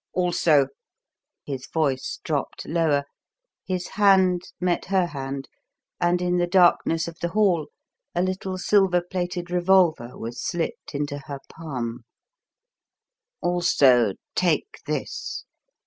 Also" his voice dropped lower, his hand met her hand, and in the darkness of the hall a little silver plated revolver was slipped into her palm "also, take this.